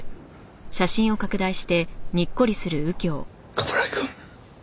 冠城くん。